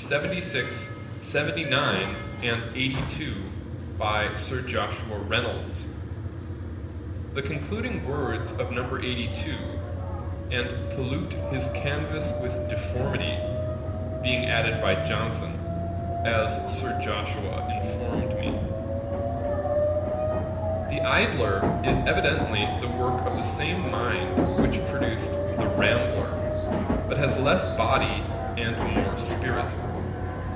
76, 79, and 82, by Sir Joshua Reynolds; the concluding words of No. 82, 'and pollute his canvas with deformity,' being added by Johnson, as Sir Joshua informed me. The Idler is evidently the work of the same mind which produced The Rambler, but has less body and more spirit.